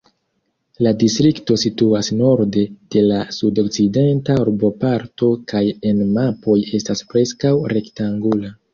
La distrikto situas norde de la sud-okcidenta urboparto kaj en mapoj estas preskaŭ rektangula.